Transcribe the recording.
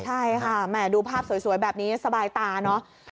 ใช่ค่ะแห่ดูภาพสวยแบบนี้สบายตาเนอะ